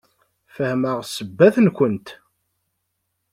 Fehmeɣ ssebbat-nkent.